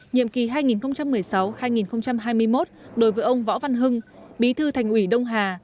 nhiệm kỳ hai nghìn một mươi sáu hai nghìn hai mươi một đối với ông võ văn hưng bí thư thành ủy đông hà